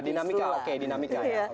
ya dinamikal oke dinamikal ya